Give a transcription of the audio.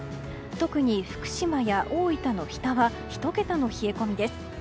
特に福島や大分の日田は１桁の冷え込みです。